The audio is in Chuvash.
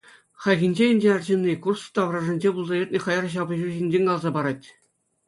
Хальхинче ӗнтӗ арҫынни Курск таврашӗнче пулса иртнӗ хаяр ҫапӑҫу ҫинчен каласа парать.